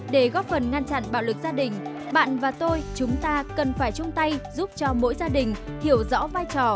để góp phần ngăn chặn bạo lực gia đình bạn và tôi chúng ta cần phải chung tay giúp cho mỗi gia đình hiểu rõ vai trò